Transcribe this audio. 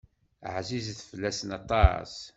Ɛzizet fell-asen aṭas.